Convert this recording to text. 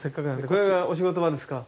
これがお仕事場ですか。